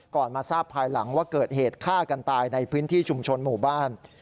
มาทราบภายหลังว่าเกิดเหตุฆ่ากันตายในพื้นที่ชุมชนหมู่บ้าน